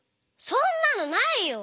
そんなのないよ！